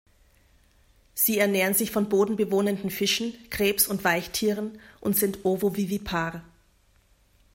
Sie ernähren sich von bodenbewohnenden Fischen, Krebs- und Weichtieren und sind ovovivipar.